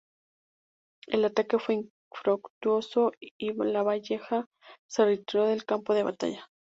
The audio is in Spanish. El ataque fue infructuoso, y Lavalleja se retiró del campo de batalla.